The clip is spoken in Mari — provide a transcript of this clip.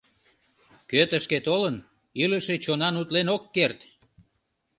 Кӧ тышке толын, илыше чонан утлен ок керт!..